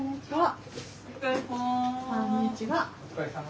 お疲れさま。